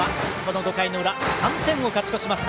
５回の裏、３点を勝ち越しました